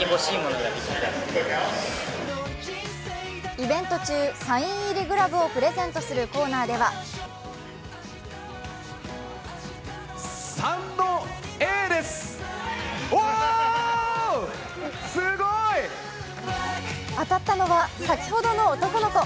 イベント中、サイン入りグラブをプレゼントするコーナーでは当たったのは先ほどの男の子。